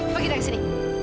pergi dari sini